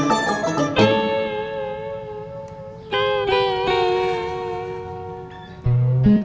nggak pkg nengra punya itu